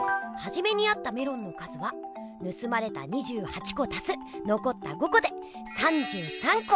はじめにあったメロンの数はぬすまれた２８こたすのこった５こで３３こ。